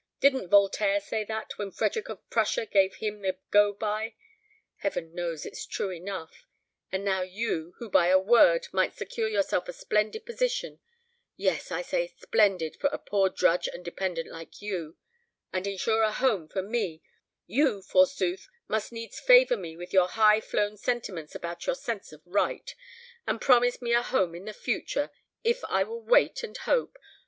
Didn't Voltaire say that, when Frederick of Prussia gave him the go by? Heaven knows it's true enough; and now you, who by a word might secure yourself a splendid position yes, I say splendid for a poor drudge and dependent like you, and insure a home for me you, forsooth, must needs favour me with your high flown sentiments about your sense of right, and promise me a home in the future, if I will wait and hope!